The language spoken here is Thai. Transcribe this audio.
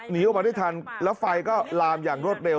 และไฟก็ลามอย่างรวดเร็ว